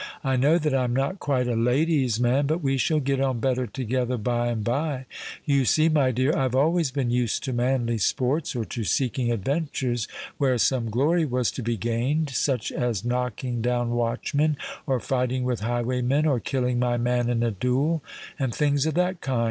I know that I'm not quite a lady's man; but we shall get on better together by and bye. You see, my dear, I've always been used to manly sports or to seeking adventures where some glory was to be gained—such as knocking down watchmen, or fighting with highwaymen, or killing my man in a duel—and things of that kind.